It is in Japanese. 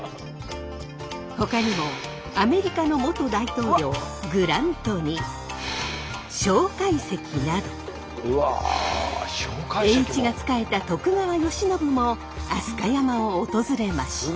ほかにもアメリカの元大統領グラントに蒋介石など栄一が仕えた徳川慶喜も飛鳥山を訪れました。